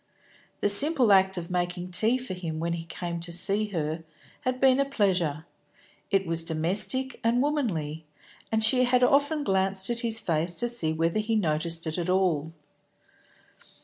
The simple act of making tea for him when he came to see her had been a pleasure; it was domestic and womanly, and she had often glanced at his face to see whether he noticed it at all.